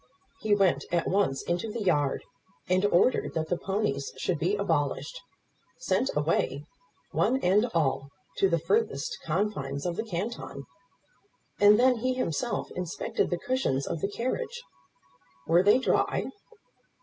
He went at once into the yard and ordered that the ponies should be abolished; sent away, one and all, to the furthest confines of the canton; and then he himself inspected the cushions of the carriage. Were they dry?